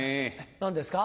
何ですか？